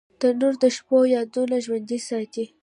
تنور د شپو یادونه ژوندۍ ساتي